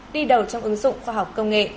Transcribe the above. đi đầu trong ứng dụng khoa học công nghệ